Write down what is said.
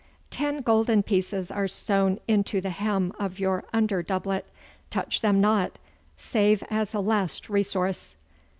Ten golden pieces are sewn into the hem of your under doublet. Touch them not, save as a last resource.